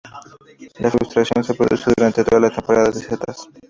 La fructificación se produce durante toda la temporada de setas.